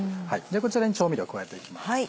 こちらに調味料加えていきます。